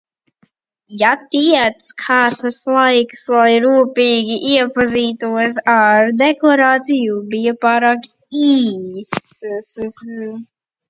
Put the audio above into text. Jāteic, ka tas laiks, lai rūpīgi iepazītos ar deklarāciju, bija pārāk īss.